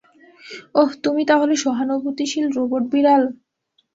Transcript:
ওহ, তুমি তাহলে সহানুভূতিশীল রোবট বিড়াল।